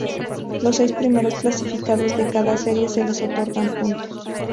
Los seis primeros clasificados de cada serie se les otorgan puntos.